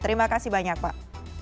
terima kasih banyak pak